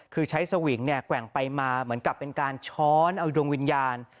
คือใช้สวิงเนี่ยแกว่งไปมาเหมือนกับเป็นการช้อนเอาดวงวิญญาณ